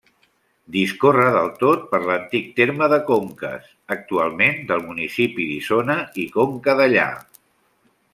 Discorre del tot per l'antic terme de Conques, actualment del municipi d'Isona i Conca Dellà.